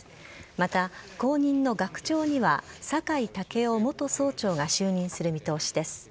また、後任の学長には酒井健夫元総長が就任する見通しです。